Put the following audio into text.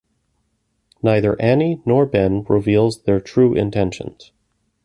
Neither Andie nor Ben reveals their true intentions.